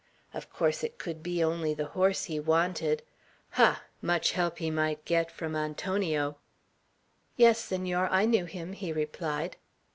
Of course it could be only the horse he wanted. Ha! much help might he get from Antonio! "Yes, Senor, I knew him," he replied.